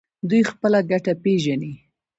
دوی خپله ګټه پیژني.